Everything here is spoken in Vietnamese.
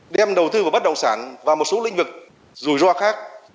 đem đầu tư vào bất động sản và một số lĩnh vực rủi ro khác